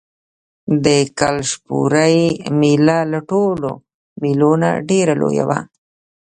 د کلشپورې مېله له ټولو مېلو نه ډېره لویه وه.